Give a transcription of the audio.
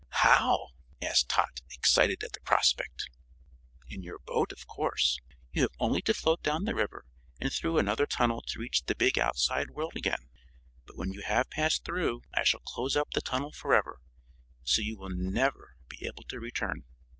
"How?" asked Tot, excited at the prospect. "In your boat, of course. You have only to float down the river and through another tunnel to reach the big outside world again. But when you have passed through I shall close up the tunnel forever, so you will never be able to return."